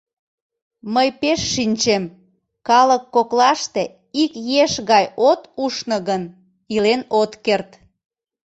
Мый пеш шинчем: калык коклаште ик еш гай от ушно гын, илен от керт.